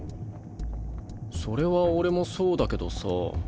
それは俺もそうだけどさ。